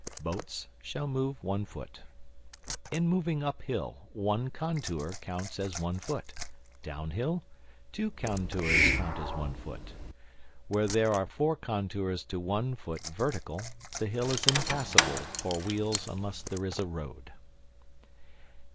Boats shall move one foot. In moving uphill, one contour counts as one foot; downhill, two contours count as one foot. Where there are four contours to one foot vertical the hill is impassable for wheels unless there is a road.